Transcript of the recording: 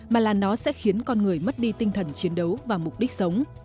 mà là nó sẽ khiến con người mất đi tinh thần chiến đấu và mục đích sống